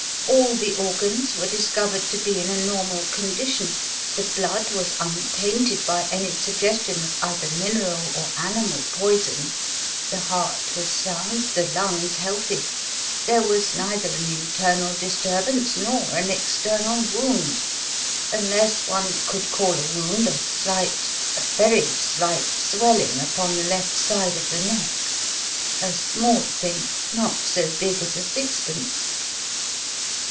All the organs were discovered to be in a normal condition, the blood was untainted by any suggestion of either mineral or animal poison, the heart was sound, the lungs healthy there was neither an internal disturbance nor an external wound, unless one could call a 'wound' a slight, a very slight, swelling upon the left side of the neck; a small thing, not so big as a sixpence."